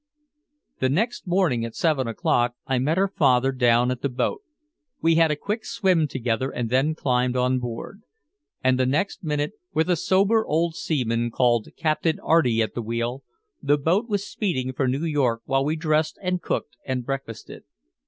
The next morning at seven o'clock I met her father down at the boat. We had a quick swim together and then climbed on board. And the next minute, with a sober old seaman called "Captain Arty" at the wheel, the boat was speeding for New York while we dressed and cooked and breakfasted.